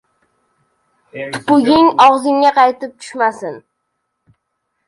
• Tupuging og‘zingga qaytib tushmasin.